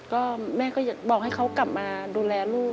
ก็แม่ก็อยากบอกให้เขากลับมาดูแลลูก